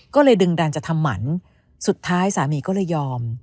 ก็เลยดึงดันจะทำหมันสุดท้ายสามีก็เลยยอม